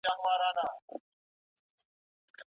که خوښه يې وه په ميلمستيا کي خوراک کولای سي.